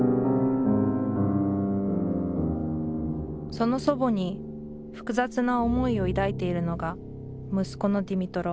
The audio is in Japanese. その祖母に複雑な思いを抱いているのが息子のディミトロ。